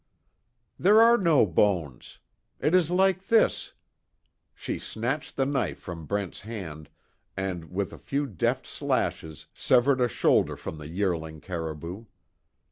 "There are no bones! It is like this." She snatched the knife from Brent's hand and with a few deft slashes severed a shoulder from the yearling caribou.